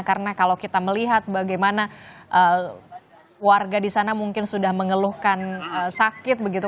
karena kalau kita melihat bagaimana warga disana mungkin sudah mengeluhkan sakit begitu